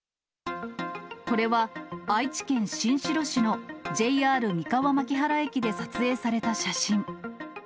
これは、愛知県新城市のＪＲ三河槇原駅で撮影された写真。